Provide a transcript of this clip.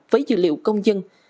với dữ liệu công dân